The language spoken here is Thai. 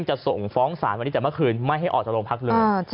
จะส่งฟ้องศาลวันนี้แต่เมื่อคืนไม่ให้ออกจากโรงพักเลย